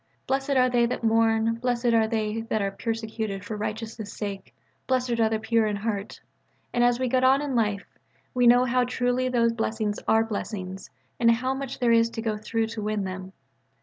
"Blessed are they that mourn: Blessed are they that are persecuted for righteousness' sake: Blessed are the pure in heart." And as we get on in life, we know both how truly those blessings are blessings, and how much there is to go through to win them.